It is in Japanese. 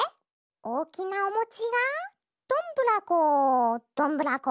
「おおきなおもちがどんぶらこどんぶらこ」。